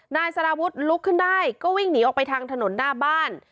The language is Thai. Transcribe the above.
นายสารวุฒิลุกขึ้นได้ก็วิ่งหนีออกไปทางถนนหน้าบ้าน